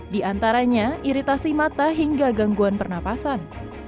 di antaranya iritasi mata hingga gangguan pernapasan